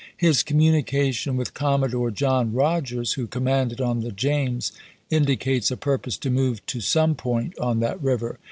His communication with Commodore John Rodgers, who commanded on the James, indicates a purpose to move to some point on that river.